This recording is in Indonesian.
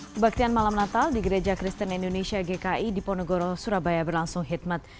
kebaktian malam natal di gereja kristen indonesia gki di ponegoro surabaya berlangsung hikmat